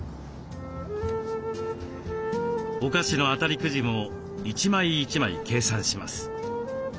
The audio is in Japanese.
お菓子の当たりくじも一枚一枚計算します。